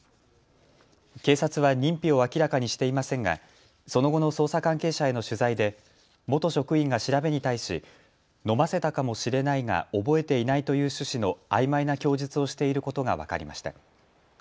警察は認否を明らかにしていませんがその後の捜査関係者への取材で元職員が調べに対し飲ませたかもしれないが覚えていないという趣旨のあいまいな供述をしていることが分かりました。